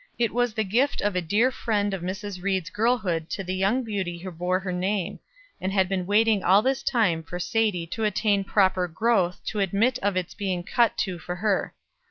It was the gift of a dear friend of Mrs. Ried's girlhood to the young beauty who bore her name, and had been waiting all this time for Sadie to attain proper growth to admit of its being cut into for her.